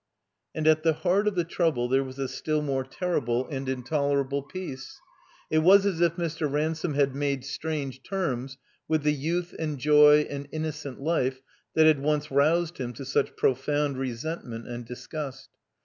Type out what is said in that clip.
And at the heart of the trouble there Was a stiU more terrible and intolerable peace. It was as if Mr. Ransome had made strange terms with the youth and joy and innocent life that had once roused him to sudi profound resentment and disgust.